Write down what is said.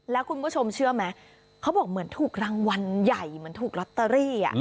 แล้วคุณผู้ชมเชื่อไหมเขาบอกเหมือนถูกรางวัลใหญ่เหมือนถูกลอตเตอรี่